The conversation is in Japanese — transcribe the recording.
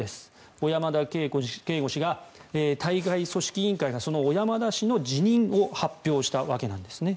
小山田圭吾氏が大会組織委員会が小山田氏の辞任を発表したわけです。